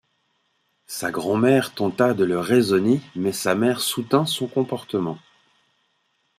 Sa grand-mère tenta de le raisonner mais sa mère soutint son comportement.